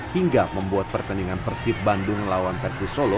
hingga membuat pertandingan persib bandung melawan persisolo